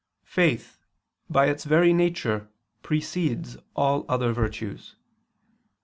Faith, by its very nature, precedes all other virtues.